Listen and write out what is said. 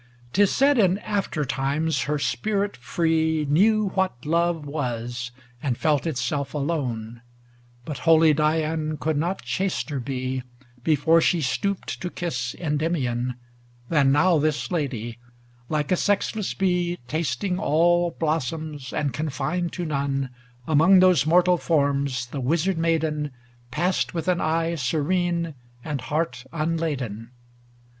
LXVIII 'T is said in after times her spirit free Knew what love was, and felt itself alone; But holy Dian could not chaster be Before she stooped to kiss Endymion, Than now this lady ŌĆö like a sexless bee Tasting all blossoms and confined to none; Among those mortal forms the Wizard Maiden Passed with an eye serene and heart un laden.